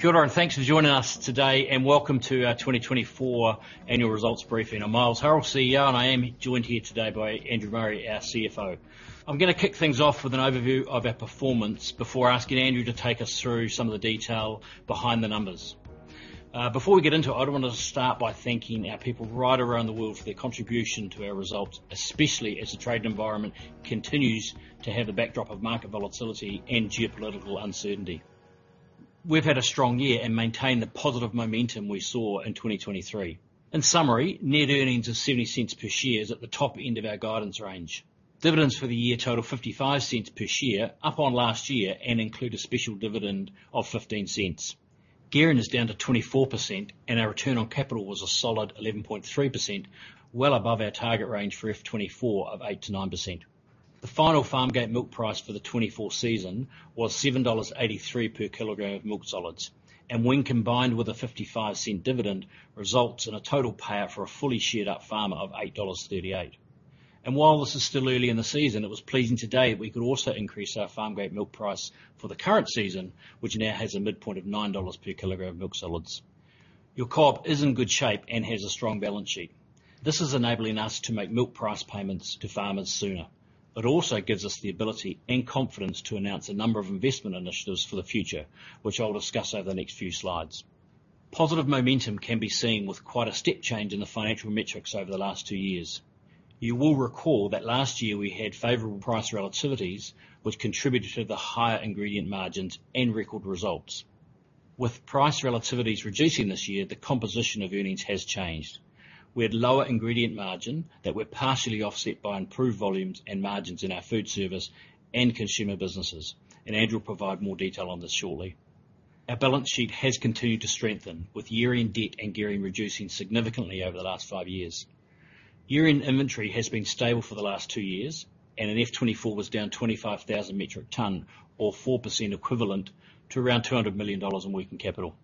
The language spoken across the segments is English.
Kia ora, and thanks for joining us today, and welcome to our 2024 annual results briefing. I'm Miles Hurrell, CEO, and I am joined here today by Andrew Murray, our CFO. I'm gonna kick things off with an overview of our performance before asking Andrew to take us through some of the detail behind the numbers. Before we get into it, I want to start by thanking our people right around the world for their contribution to our results, especially as the trade environment continues to have the backdrop of market volatility and geopolitical uncertainty. We've had a strong year and maintained the positive momentum we saw in twenty twenty-three. In summary, net earnings of 0.70 per share is at the top end of our guidance range. Dividends for the year total 0.55 per share, up on last year, and include a special dividend of 0.15. Gearing is down to 24%, and our return on capital was a solid 11.3%, well above our target range for FY 2024 of 8%-9%. The final Farmgate Milk Price for the 2024 season was 7.83 dollars per kilogram of milk solids, and when combined with a 0.55 dividend, results in a total payout for a fully shared up farmer of 8.38 dollars, and while this is still early in the season, it was pleasing. Today, we could also increase our Farmgate Milk Price for the current season, which now has a midpoint of 9 dollars per kilogram of milk solids. Your co-op is in good shape and has a strong balance sheet. This is enabling us to make milk price payments to farmers sooner. It also gives us the ability and confidence to announce a number of investment initiatives for the future, which I'll discuss over the next few slides. Positive momentum can be seen with quite a step change in the financial metrics over the last two years. You will recall that last year we had favorable price relativities, which contributed to the higher ingredient margins and record results. With price relativities reducing this year, the composition of earnings has changed. We had lower ingredient margins that were partially offset by improved volumes and margins in our Foodservice and consumer businesses, and Andrew will provide more detail on this shortly. Our balance sheet has continued to strengthen, with year-end debt and gearing reducing significantly over the last five years. Year-end inventory has been stable for the last two years, and in FY 2024 was down 25,000 metric tons, or 4% equivalent to around 200 million dollars in working capital.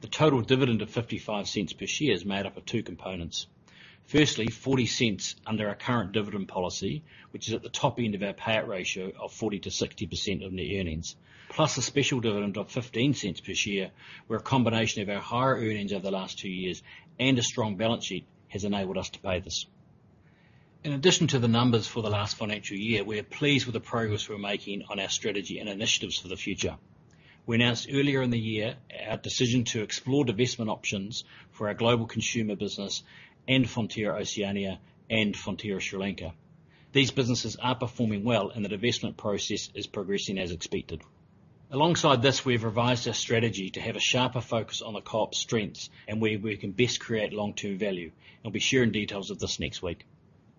The total dividend of 0.55 per share is made up of two components. Firstly, 0.40 under our current dividend policy, which is at the top end of our payout ratio of 40%-60% of net earnings, plus a special dividend of 0.15 per share, where a combination of our higher earnings over the last two years and a strong balance sheet has enabled us to pay this. In addition to the numbers for the last financial year, we are pleased with the progress we're making on our strategy and initiatives for the future. We announced earlier in the year our decision to explore divestment options for our global consumer business and Fonterra Oceania and Fonterra Sri Lanka. These businesses are performing well, and the divestment process is progressing as expected. Alongside this, we've revised our strategy to have a sharper focus on the co-op's strengths and where we can best create long-term value, and we'll be sharing details of this next week.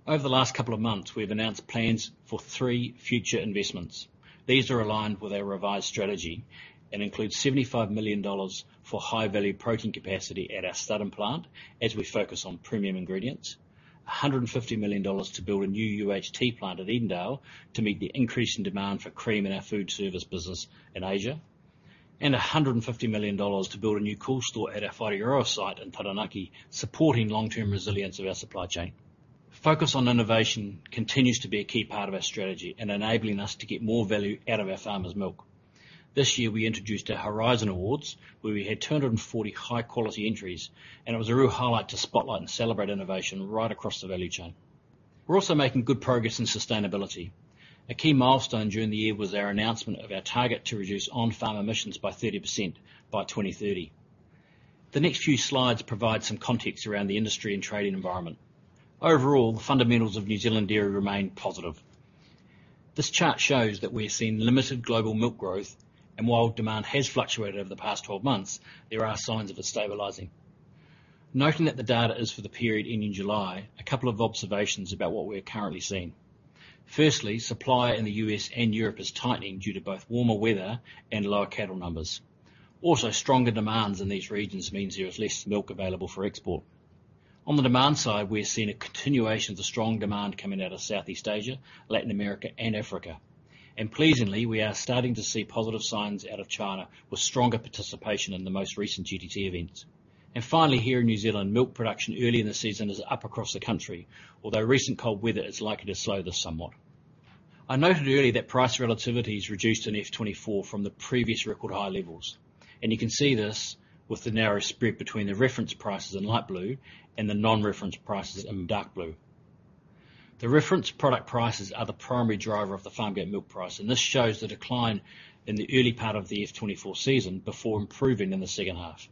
Over the last couple of months, we've announced plans for three future investments. These are aligned with our revised strategy and include 75 million dollars for high-value protein capacity at our Studholme, as we focus on premium ingredients. 150 million dollars to build a new UHT plant at Edendale, to meet the increasing demand for cream in our Foodservice business in Asia. A $150 million to build a new cool store at our Whareroa site in Taranaki, supporting long-term resilience of our supply chain. Focus on innovation continues to be a key part of our strategy in enabling us to get more value out of our farmers' milk. This year, we introduced our Horizon Awards, where we had 240 high-quality entries, and it was a real highlight to spotlight and celebrate innovation right across the value chain. We're also making good progress in sustainability. A key milestone during the year was our announcement of our target to reduce on-farm emissions by 30% by 2030. The next few slides provide some context around the industry and trading environment. Overall, the fundamentals of New Zealand dairy remain positive. This chart shows that we're seeing limited global milk growth, and while demand has fluctuated over the past 12 months, there are signs of it stabilizing. Noting that the data is for the period ending July, a couple of observations about what we are currently seeing. Firstly, supply in the U.S. and Europe is tightening due to both warmer weather and lower cattle numbers. Also, stronger demands in these regions means there is less milk available for export. On the demand side, we're seeing a continuation of the strong demand coming out of Southeast Asia, Latin America, and Africa, and pleasingly, we are starting to see positive signs out of China, with stronger participation in the most recent GDT events, and finally, here in New Zealand, milk production early in the season is up across the country, although recent cold weather is likely to slow this somewhat. I noted earlier that price relativities reduced in FY 2024 from the previous record high levels, and you can see this with the narrow spread between the reference prices in light blue and the non-reference prices in dark blue. The reference product prices are the primary driver of the Farmgate Milk Price, and this shows the decline in the early part of the FY 2024 season before improving in the second half.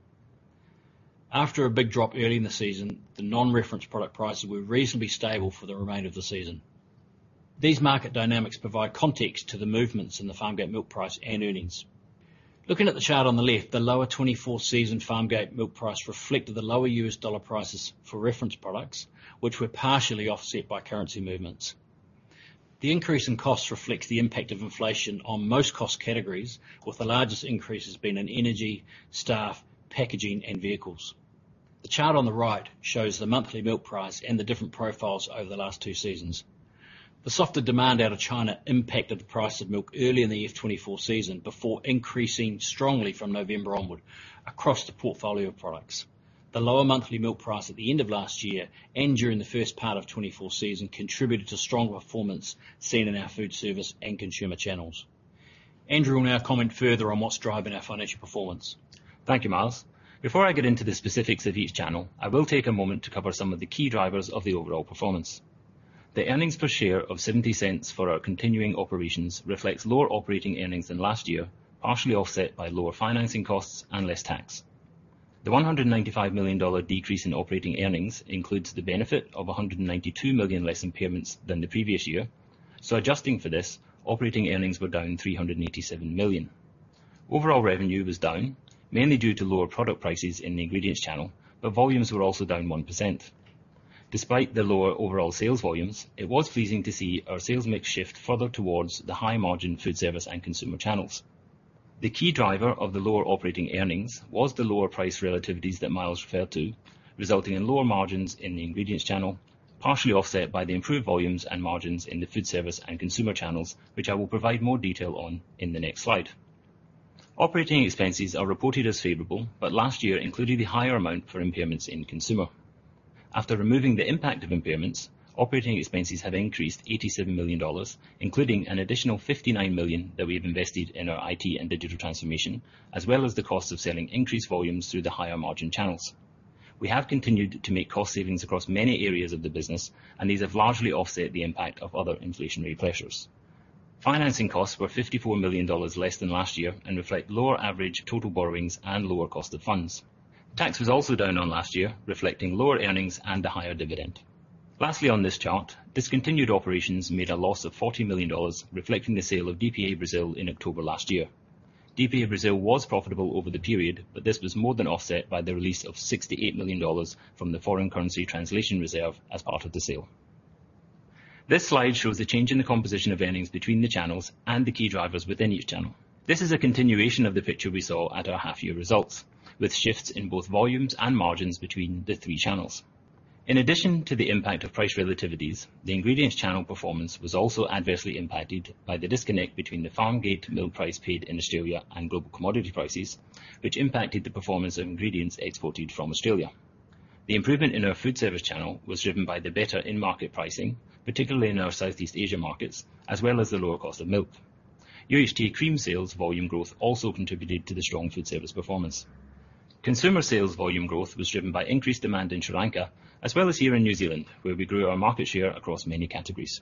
After a big drop early in the season, the non-reference product prices were reasonably stable for the remainder of the season. These market dynamics provide context to the movements in the Farmgate Milk Price and earnings. Looking at the chart on the left, the lower 2024 season Farmgate Milk Price reflected the lower U.S. dollar prices for reference products, which were partially offset by currency movements. The increase in costs reflects the impact of inflation on most cost categories, with the largest increases being in energy, staff, packaging, and vehicles. The chart on the right shows the monthly milk price and the different profiles over the last two seasons. The softer demand out of China impacted the price of milk early in the FY 2024 season, before increasing strongly from November onward across the portfolio of products. The lower monthly milk price at the end of last year and during the first part of FY 2024 season contributed to strong performance seen in our Foodservice and consumer channels. Andrew will now comment further on what's driving our financial performance. Thank you, Miles. Before I get into the specifics of each channel, I will take a moment to cover some of the key drivers of the overall performance. The earnings per share of 0.70 for our continuing operations reflects lower operating earnings than last year, partially offset by lower financing costs and less tax. The 195 million dollar decrease in operating earnings includes the benefit of 192 million less impairments than the previous year. So adjusting for this, operating earnings were down 387 million. Overall revenue was down, mainly due to lower product prices in the ingredients channel, but volumes were also down 1%. Despite the lower overall sales volumes, it was pleasing to see our sales mix shift further towards the high-margin Foodservice and consumer channels. The key driver of the lower operating earnings was the lower price relativities that Miles referred to, resulting in lower margins in the ingredients channel, partially offset by the improved volumes and margins in the Foodservice and consumer channels, which I will provide more detail on in the next slide. Operating expenses are reported as favorable, but last year, including the higher amount for impairments in consumer. After removing the impact of impairments, operating expenses have increased 87 million dollars, including an additional 59 million that we have invested in our IT and digital transformation, as well as the cost of selling increased volumes through the higher margin channels. We have continued to make cost savings across many areas of the business, and these have largely offset the impact of other inflationary pressures. Financing costs were 54 million dollars less than last year and reflect lower average total borrowings and lower cost of funds. Tax was also down on last year, reflecting lower earnings and a higher dividend. Lastly, on this chart, discontinued operations made a loss of 40 million dollars, reflecting the sale of DPA Brazil in October last year. DPA Brazil was profitable over the period, but this was more than offset by the release of 68 million dollars from the foreign currency translation reserve as part of the sale. This slide shows a change in the composition of earnings between the channels and the key drivers within each channel. This is a continuation of the picture we saw at our half-year results, with shifts in both volumes and margins between the three channels. In addition to the impact of price relativities, the ingredients channel performance was also adversely impacted by the disconnect between the farmgate milk price paid in Australia and global commodity prices, which impacted the performance of ingredients exported from Australia. The improvement in our Foodservice channel was driven by the better in-market pricing, particularly in our Southeast Asia markets, as well as the lower cost of milk. UHT cream sales volume growth also contributed to the strong Foodservice performance. Consumer sales volume growth was driven by increased demand in Sri Lanka, as well as here in New Zealand, where we grew our market share across many categories.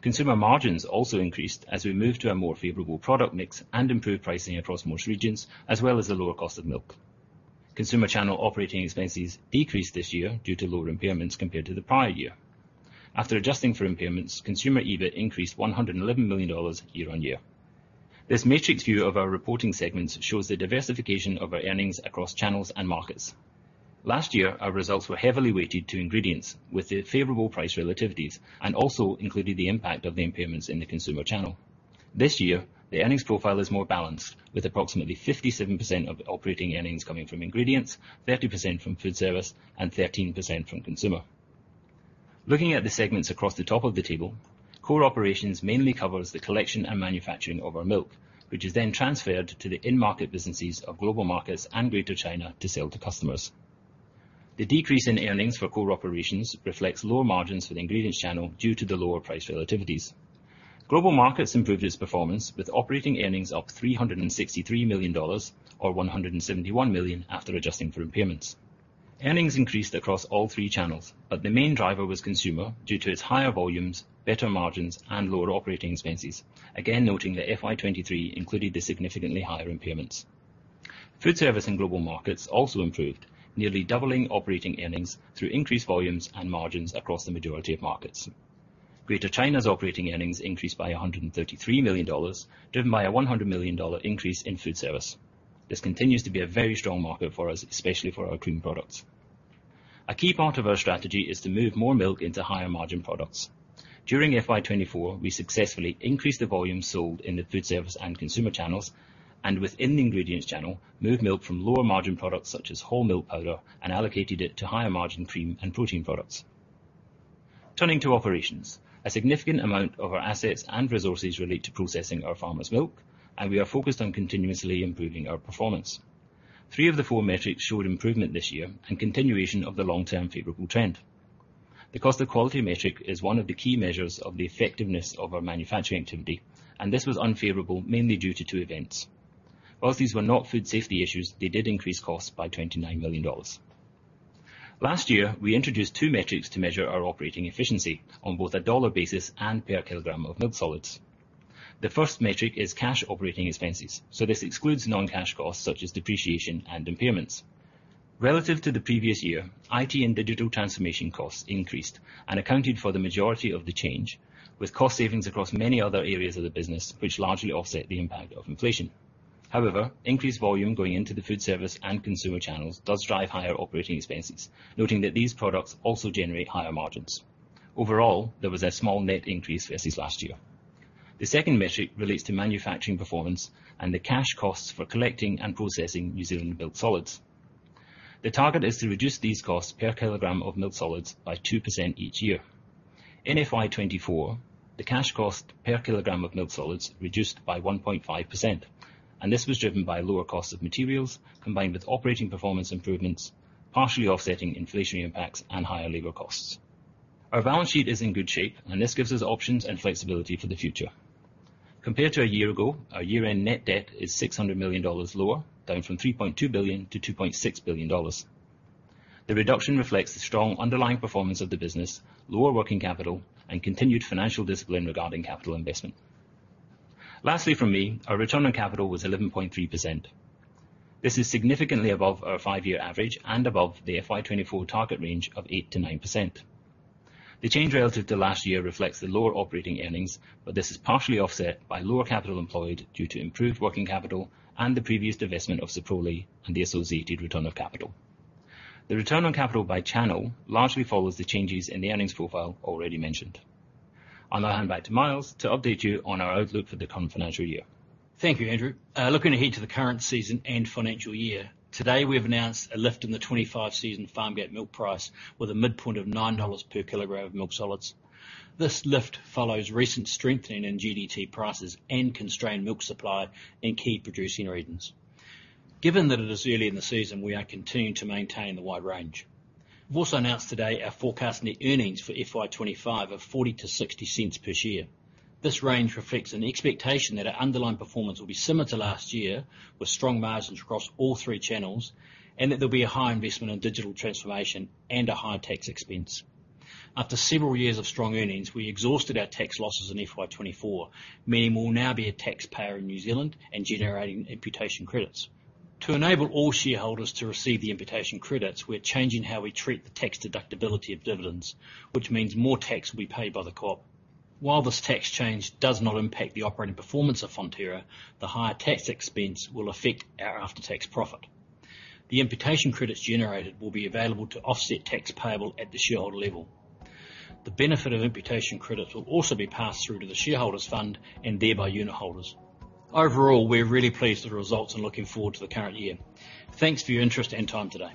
Consumer margins also increased as we moved to a more favorable product mix and improved pricing across most regions, as well as the lower cost of milk. Consumer channel operating expenses decreased this year due to lower impairments compared to the prior year. After adjusting for impairments, consumer EBIT increased 111 million dollars year-on-year. This matrix view of our reporting segments shows the diversification of our earnings across channels and markets. Last year, our results were heavily weighted to ingredients, with the favorable price relativities, and also included the impact of the impairments in the consumer channel. This year, the earnings profile is more balanced, with approximately 57% of operating earnings coming from ingredients, 30% from Foodservice, and 13% from consumer. Looking at the segments across the top of the table, Core Operations mainly covers the collection and manufacturing of our milk, which is then transferred to the in-market businesses of Global Markets and Greater China to sell to customers. The decrease in earnings for Core Operations reflects lower margins for the ingredients channel due to the lower price relativities. Global Markets improved its performance, with operating earnings up 363 million dollars, or 171 million after adjusting for impairments. Earnings increased across all three channels, but the main driver was consumer due to its higher volumes, better margins, and lower operating expenses. Again, noting that FY 2023 included the significantly higher impairments. Foodservice and Global Markets also improved, nearly doubling operating earnings through increased volumes and margins across the majority of markets. Greater China's operating earnings increased by NZD 133 million, driven by a NZD 100 million increase in Foodservice. This continues to be a very strong market for us, especially for our cream products. A key part of our strategy is to move more milk into higher-margin products. During FY 2024, we successfully increased the volume sold in the Foodservice and consumer channels, and within the ingredients channel, moved milk from lower-margin products such as whole milk powder, and allocated it to higher-margin cream and protein products. Turning to operations. A significant amount of our assets and resources relate to processing our farmers' milk, and we are focused on continuously improving our performance. Three of the four metrics showed improvement this year and continuation of the long-term favorable trend. The cost of quality metric is one of the key measures of the effectiveness of our manufacturing activity, and this was unfavorable, mainly due to two events. While these were not food safety issues, they did increase costs by 29 million dollars. Last year, we introduced two metrics to measure our operating efficiency on both a dollar basis and per kilogram of milk solids. The first metric is cash operating expenses, so this excludes non-cash costs, such as depreciation and impairments. Relative to the previous year, IT and digital transformation costs increased and accounted for the majority of the change, with cost savings across many other areas of the business, which largely offset the impact of inflation. However, increased volume going into the Foodservice and consumer channels does drive higher operating expenses, noting that these products also generate higher margins. Overall, there was a small net increase versus last year. The second metric relates to manufacturing performance and the cash costs for collecting and processing New Zealand milk solids. The target is to reduce these costs per kilogram of milk solids by 2% each year. In FY 2024, the cash cost per kilogram of milk solids reduced by 1.5%, and this was driven by lower costs of materials, combined with operating performance improvements, partially offsetting inflationary impacts and higher labor costs. Our balance sheet is in good shape, and this gives us options and flexibility for the future. Compared to a year ago, our year-end net debt is 600 million dollars lower, down from 3.2 billion to 2.6 billion dollars. The reduction reflects the strong underlying performance of the business, lower working capital, and continued financial discipline regarding capital investment. Lastly, from me, our return on capital was 11.3%. This is significantly above our five-year average and above the FY 2024 target range of 8%-9%. The change relative to last year reflects the lower operating earnings, but this is partially offset by lower capital employed due to improved working capital and the previous divestment of Soprole and the associated return of capital. The return on capital by channel largely follows the changes in the earnings profile already mentioned. I'll now hand back to Miles to update you on our outlook for the current financial year. Thank you, Andrew. Looking ahead to the current season and financial year, today, we have announced a lift in the 2025 season Farmgate Milk Price with a midpoint of 9 dollars per kilogram of milk solids. This lift follows recent strengthening in GDT prices and constrained milk supply in key producing regions. Given that it is early in the season, we are continuing to maintain the wide range. We have also announced today our forecast net earnings for FY 2025 of 0.40-0.60 per share. This range reflects an expectation that our underlying performance will be similar to last year, with strong margins across all three channels, and that there will be a high investment in digital transformation and a higher tax expense. After several years of strong earnings, we exhausted our tax losses in FY 2024, meaning we'll now be a taxpayer in New Zealand and generating imputation credits. To enable all shareholders to receive the imputation credits, we're changing how we treat the tax deductibility of dividends, which means more tax will be paid by the co-op. While this tax change does not impact the operating performance of Fonterra, the higher tax expense will affect our after-tax profit. The imputation credits generated will be available to offset tax payable at the shareholder level. The benefit of imputation credits will also be passed through to the Shareholders' Fund and thereby unitholders. Overall, we're really pleased with the results and looking forward to the current year. Thanks for your interest and time today.